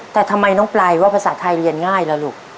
แต่ทำไมน้องปลายว่าภาษาไทยเรียนง่ายล่ะลูก